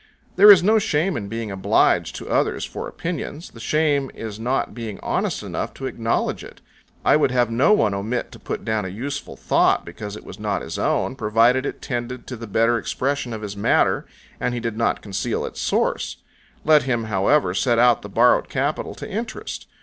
There is no shame in being obliged to others for opinions, the shame is not being honest enough to acknowledge it: I would have no one omit to put down a useful thought because it was not his own, provided it tended to the better expression of his matter, and he did not conceal its source; let him, however, set out the borrowed capital to interest.